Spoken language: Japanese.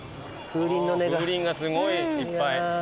風鈴がすごいいっぱい。